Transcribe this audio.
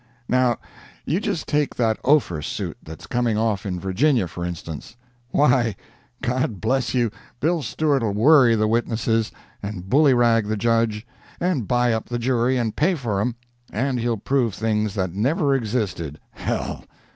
Now, you just take that Ophir suit that's coming off in Virginia, for instance—why, God bless you, Bill Stewart'll worry the witnesses, and bullyrag the Judge, and buy up the jury and pay for 'em; and he'll prove things that never existed—hell!